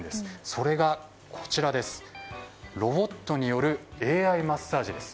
それが、ロボットによるＡＩマッサージです。